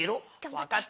わかった。